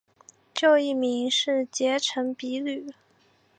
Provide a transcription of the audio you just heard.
旧艺名是结城比吕。